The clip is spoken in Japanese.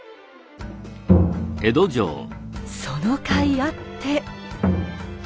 そのかいあって。